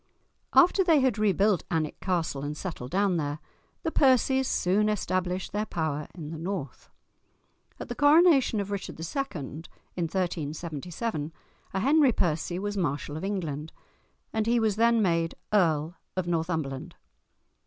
After they had rebuilt Alnwick Castle and settled down there, the Percies soon established their power in the North. At the coronation of Richard II., in 1377, a Henry Percy was Marshal of England, and he was then made Earl of Northumberland.